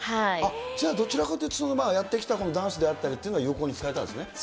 じゃあ、どちらかというと、やってきたダンスであったりっていうのは、有効に使えたんですね。